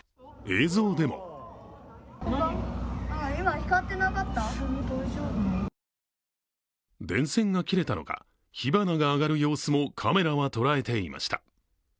映像でも電線が切れたのか、火花が上がる様子もカメラは捉えていました。